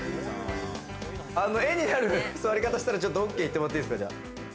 絵になる座り方したらＯＫって言ってもらっていいですか？